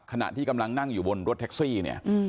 ขณะที่กำลังนั่งอยู่บนรถแท็กซี่เนี่ย